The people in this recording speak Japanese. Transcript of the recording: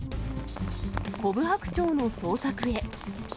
コブハクチョウの捜索へ。